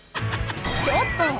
ちょっと！